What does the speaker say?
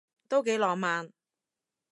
都幾浪漫